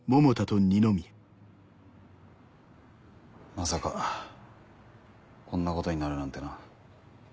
まさかこんなことになるなんてな。